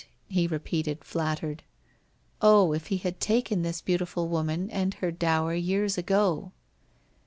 ' he repeated, flattered. Oh, if he had taken this beautiful woman and her dower years ago!